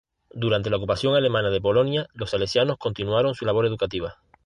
Durante la ocupación alemana de Polonia los salesianos continuaron su labor educativa.